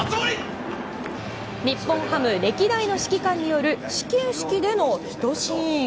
日本ハム歴代の指揮官による始球式でのひとシーン。